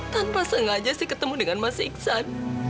tanpa sengaja sih ketemu dengan mas iksan